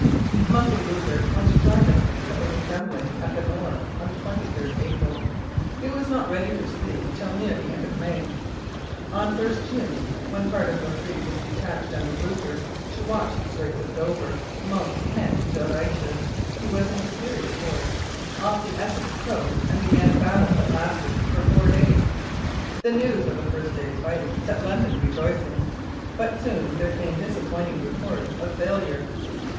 Monk and Rupert went to join the fleet that was assembling at the Nore on 23 April. It was not ready for sea till near the end of May. On 1 June, when part of the fleet was detached under Rupert to watch the Straits of Dover, Monk met De Ruyter (who was in superior force) off the Essex coast and began a battle that lasted for four days. The news of the first day's fighting set London rejoicing, but soon there came disappointing reports of failure.